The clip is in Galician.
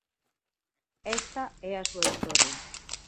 Esta é a súa historia.